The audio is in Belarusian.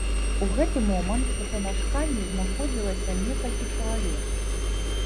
У гэты момант у памяшканні знаходзілася некалькі чалавек.